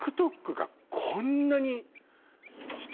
こんなに。